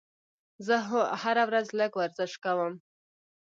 زه هره ورځ لږ ورزش کوم.